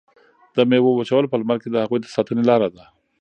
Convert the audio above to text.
د میوو وچول په لمر کې د هغوی د ساتنې لاره ده.